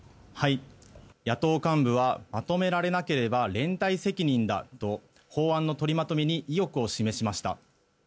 野党幹部はまとめられなければ連帯責任だと法案の取りまとめに意欲を示しました。